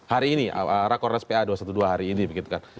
hari ini rakornas pa dua ratus dua belas hari ini begitu kan